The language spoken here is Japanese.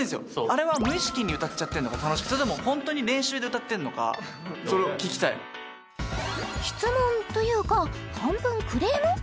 あれは無意識に歌っちゃってんのか楽しくてそれとも本当に練習で歌ってんのかそれを聞きたい質問というか半分クレーム？